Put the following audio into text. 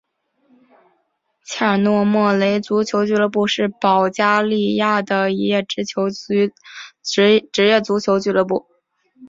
切尔诺莫雷足球俱乐部是保加利亚的一家职业足球俱乐部。